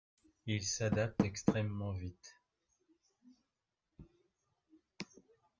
Ils s’adaptent extrêmement vite.